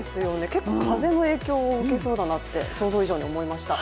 結構風の影響を受けそうだなって想像以上に思いました。